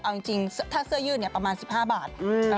เอาจริงถ้าเสื้อยืดประมาณ๑๕บาท